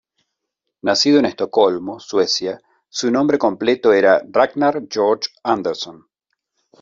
Nacido en Estocolmo, Suecia, su nombre completo era Ragnar Georg Andersson.